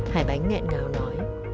hải bánh nghẹn ngào nói